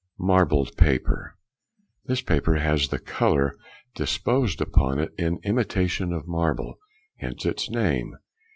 Marbled Paper.—This paper has the colour disposed upon it in imitation of marble; hence its name.